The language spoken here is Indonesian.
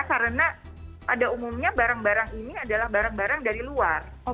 karena pada umumnya barang barang ini adalah barang barang dari luar